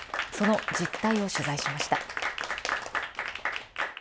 その実態を取材しました。